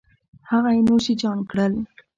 هغه یې نوش جان کړل